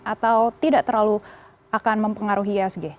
atau tidak terlalu akan mempengaruhi ihsg